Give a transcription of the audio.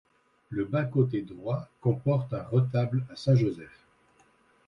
Le bas-côté droit comporte un retable à Saint-Joseph.